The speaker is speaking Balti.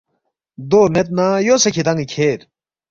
دو مید نہ یو سہ کِھدان٘ی کھیر